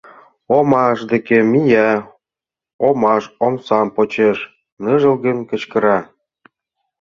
Омаш деке мия, омаш омсам почеш, ныжылгын кычкыра.